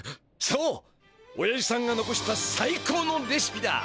そうおやじさんがのこしたサイコーのレシピだ！